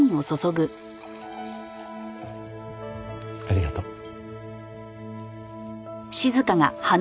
ありがとう。